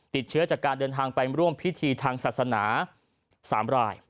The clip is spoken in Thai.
ติดเชื้อจากการเดินทางไปร่วมพิธีทางศาสนา๓ราย